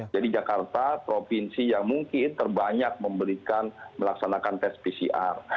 jadi jakarta provinsi yang mungkin terbanyak melaksanakan tes pcr